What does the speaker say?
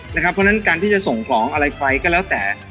เพราะฉะนั้นการที่จะส่งของอะไรไปก็แล้วแต่